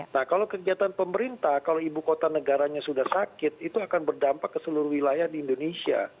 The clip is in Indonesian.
nah kalau kegiatan pemerintah kalau ibu kota negaranya sudah sakit itu akan berdampak ke seluruh wilayah di indonesia